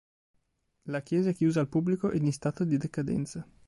La chiesa è chiusa al pubblico ed in stato di decadenza